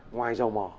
ngoài dầu mỏ